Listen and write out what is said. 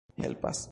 helpas